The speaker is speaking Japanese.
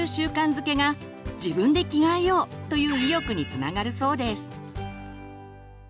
づけが「自分で着替えよう」という意欲につながるそうです。